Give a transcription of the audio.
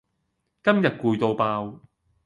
今日攰到爆